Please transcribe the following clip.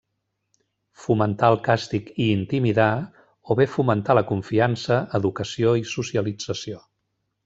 Fomentar el càstig i intimidar o bé fomentar la confiança, educació i socialització.